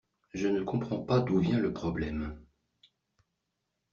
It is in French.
Je ne comprends pas d'où vient le problème.